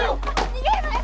逃げるわよ！